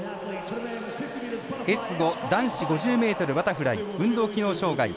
Ｓ５男子５０ｍバタフライ運動機能障がい。